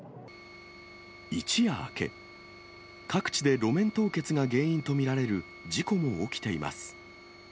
一夜明け、各地で路面凍結が原因と見られる事故も起きています。